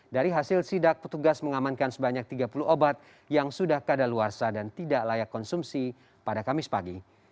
dari hasil sidak petugas mengamankan sebanyak tiga puluh obat yang sudah keadaan luar sah dan tidak layak konsumsi pada kamis pagi